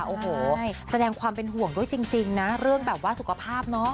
โอ้โหแสดงความเป็นห่วงด้วยจริงนะเรื่องแบบว่าสุขภาพเนาะ